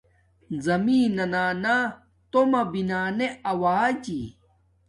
زمین نانا تومہ بنانے آواجی